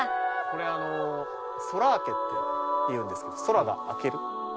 これ「空開け」っていうんですけど空が開ける。